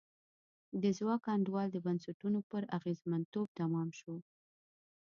د ځواک انډول د بنسټونو پر اغېزمنتوب تمام شو.